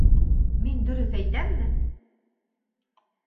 Мин дөрөҫ әйтәмме?